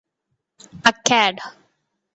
Acad.